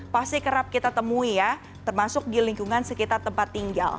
pasti kerap kita temui ya termasuk di lingkungan sekitar tempat tinggal